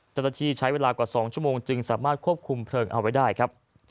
เจ้าหน้าที่ใช้เวลากว่า๒ชั่วโมงจึงสามารถควบคุมเพลิงเอาไว้ได้ครับ